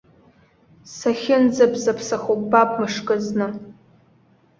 Сахьынӡабзаԥсахо ббап мышкызны.